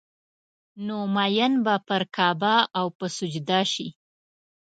نو مين به پر کعبه او په سجده شي